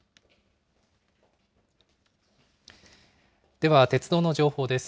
では、鉄道の情報です。